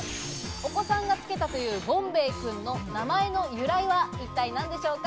お子さんがつけたというボンベイ君の名前の由来は一体何でしょうか？